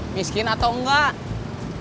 miskin atau enggak